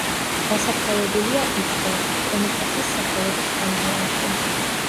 დასაფლავებულია იქვე, კომიტასის სახელობის პანთეონში.